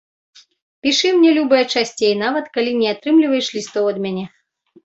Пішы мне, любая, часцей, нават калі не атрымліваеш лістоў ад мяне.